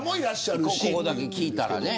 ここだけ聞いたらね。